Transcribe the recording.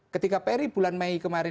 ketika peri bulan mei kemarin